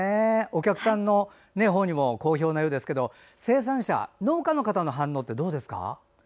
お客さんのほうにも好評なようですけど生産者、農家の方の反応ってどうですか？